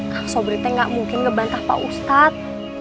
kang sobrie teh gak mungkin ngebantah pak ustad